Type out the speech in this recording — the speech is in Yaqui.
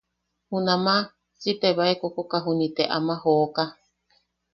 Junamaʼa si tebae kokoka juniʼi te ama jooka.